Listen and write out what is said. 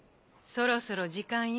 そろそろ時間よ